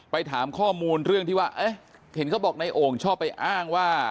ถามข้อมูลเรื่องที่ว่าเอ๊ะเห็นเขาบอกในโอ่งชอบไปอ้างว่า